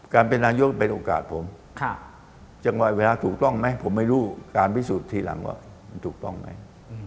การเป็นนายกเป็นโอกาสผมจังหวะเวลาถูกต้องไหมผมไม่รู้การพิสูจน์ทีหลังว่ามันถูกต้องไหม